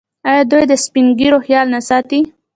آیا دوی د سپین ږیرو خیال نه ساتي؟